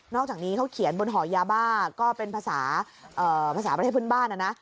อกจากนี้เขาเขียนบนห่อยาบ้าก็เป็นภาษาภาษาประเทศเพื่อนบ้านนะนะ